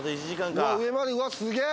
上までうわすげぇ。